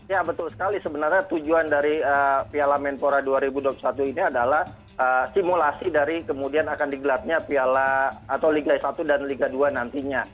ya betul sekali sebenarnya tujuan dari piala menpora dua ribu dua puluh satu ini adalah simulasi dari kemudian akan digelarnya piala atau liga satu dan liga dua nantinya